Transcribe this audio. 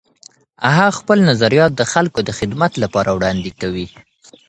هغه خپل نظریات د خلګو د خدمت لپاره وړاندې کوي.